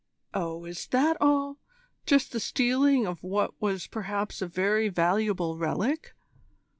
"Oh, is that all just the stealing of what was perhaps a very valuable relic?